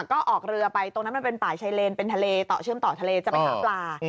ก็ออกเรือไปตรงนั้นมันเป็นป่าชายเลนเป็นทะเลเชื่อมต่อทะเลจะไปหาปลา